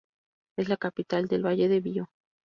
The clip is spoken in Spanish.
Es la capital del valle de Vio.